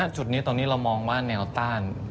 เชิญครับ